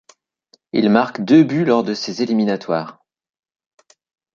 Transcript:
Il marque deux buts lors de ces éliminatoires.